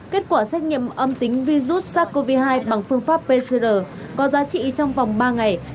kết quả xét nghiệm âm tính virus sars cov hai bằng phương pháp pcr có giá trị trong vòng ba ngày